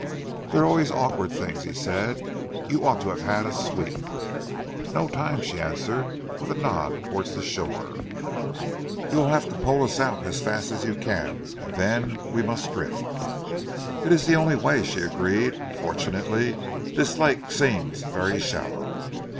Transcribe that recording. "They're always awkward things," he said. "You ought to have had a sweep." "No time," she answered, with a nod towards the shore. "You will have to pole us out, as far as you can, and then we must drift." "It is the only way," she agreed. "Fortunately this lake seems very shallow."